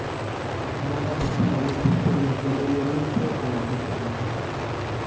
Narra principalmente historias de medio oriente o la Grecia clásica.